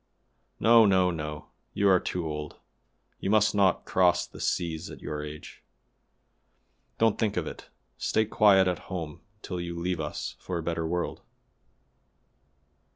No! no! no! you are too old; you must not cross the seas at your age; don't think of it; stay quiet at home till you leave us for a better world."